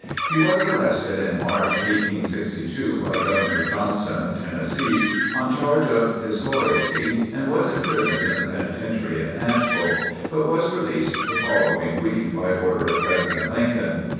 He was arrested in March, 1862, by Governor Johnson, of Tennessee, on charge of disloyalty and was imprisoned in the penitentiary at Nashville, but was released the following week by order of President Lincoln.